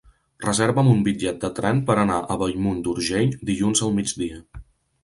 Reserva'm un bitllet de tren per anar a Bellmunt d'Urgell dilluns al migdia.